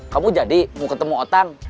kamu jadi mau ketemu otang